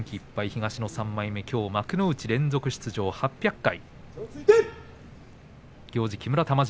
東の３枚目きょう幕内連続出場８００回。